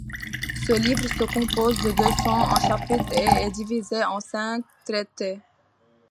Ce livre se compose de deux-cent un chapitres et est divisé en cinq traités.